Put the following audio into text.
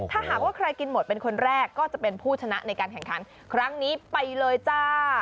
ถ้าหากว่าใครกินหมดเป็นคนแรกก็จะเป็นผู้ชนะในการแข่งขันครั้งนี้ไปเลยจ้า